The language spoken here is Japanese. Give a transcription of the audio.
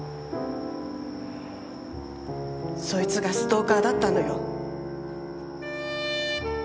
そいつがストーカーだったのよ。